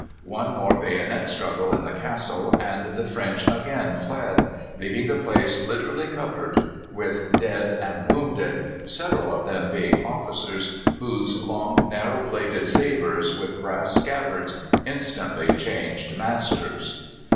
One more bayonet struggle in the castle, and the French again fled, leaving the place literally covered with dead and wounded, several of them being officers, whose long narrow bladed sabres with brass scabbards instantly changed masters.